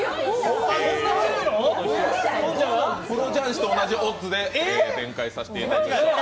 プロ雀士と同じオッズで展開させていただきます。